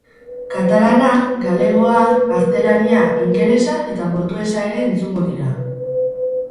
Katalana, galegoa, gaztelania, ingelesa eta portugesa ere entzungo dira.